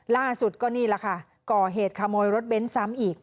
ล่าสุดก็นี่แหละค่ะก่อเหตุขโมยรถเบ้นซ้ำอีก